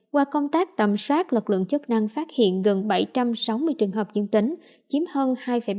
qua công tác tầm soát lực lượng chức năng phát hiện gần bảy trăm sáu mươi trường hợp dân tỉnh chiếm hơn hai bảy mươi tám